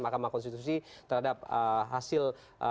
mahkamah konstitusi terhadap hasil